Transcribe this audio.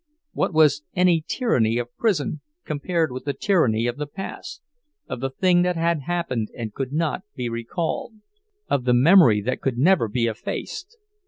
What was any tyranny of prison compared with the tyranny of the past, of the thing that had happened and could not be recalled, of the memory that could never be effaced!